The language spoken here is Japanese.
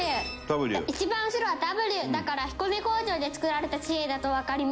一番後ろは「Ｗ」だから彦根工場で作られた紙幣だとわかります。